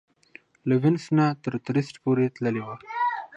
له وینس نه تر ترېسټ پورې تللې وه.